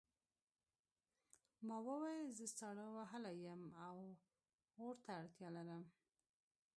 ما وویل زه ساړه وهلی یم او اور ته اړتیا لرم